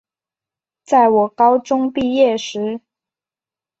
在我高中毕业时